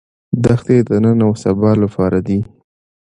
دښتې د نن او سبا لپاره دي.